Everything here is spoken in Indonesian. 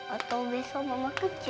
atau besok mama kerja